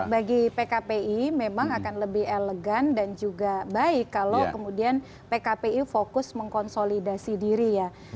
bagi pkpi memang akan lebih elegan dan juga baik kalau kemudian pkpi fokus mengkonsolidasi diri ya